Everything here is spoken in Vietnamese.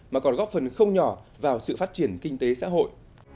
mà còn góp phần không nhỏ vào sự phát triển kinh tế xã hội